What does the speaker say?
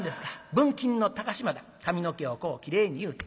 文金の高島田髪の毛をこうきれいに結うて。